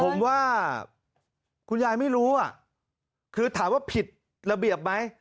ผมว่าคุณยายไม่รู้อ่ะคือถามว่าผิดระเบียบไหม